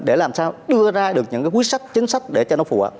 để làm sao đưa ra được những cái quyết sách chính sách để cho nó phù hợp